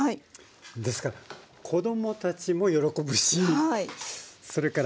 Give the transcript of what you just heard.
ですから子供たちも喜ぶしそれからね